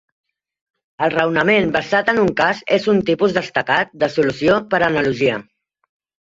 El raonament basat en un cas és un tipus destacat de solució per analogia.